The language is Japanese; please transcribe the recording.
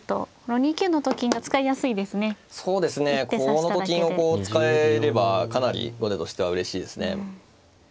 このと金をこう使えればかなり後手としてはうれしいですね。